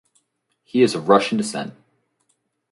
He is of Russian descent.